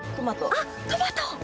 あっ、トマト。